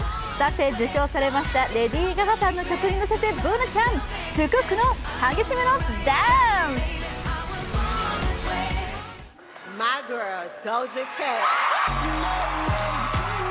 受賞されましたレディー・ガガさんの曲に乗せてＢｏｏｎａちゃん、激しめのダンス！